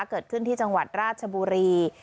เกิดขึ้นที่จังหวัดราชบุรี